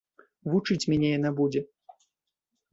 Вучыць мяне яна будзе!